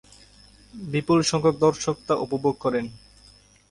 বিপুল সংখ্যক দর্শক তা উপভোগ করেন।